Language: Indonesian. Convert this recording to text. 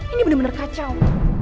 ini benar benar kacau